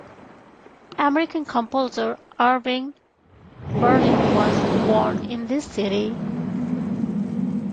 American composer Irving Berlin was born in this city.